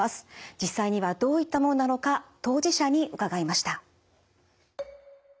実際にはどういったものなのか当事者に伺いました。